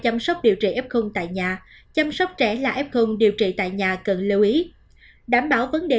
chăm sóc điều trị f tại nhà chăm sóc trẻ là f điều trị tại nhà cần lưu ý đảm bảo vấn đề